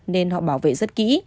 nên họ bảo vệ rất kỹ